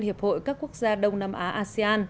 hiệp hội các quốc gia đông nam á asean